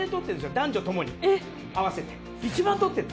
男女ともに合わせて。